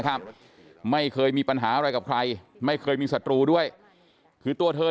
ครับไม่เคยมีปัญหาอะไรกับใครไม่เคยมีศัตรูด้วยคือตัวเธอ